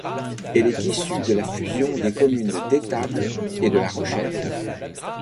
Elle est issue de la fusion des communes d'Étable et de La Rochette.